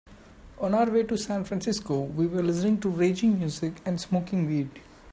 On our way to San Francisco, we were listening to reggae music and smoking weed.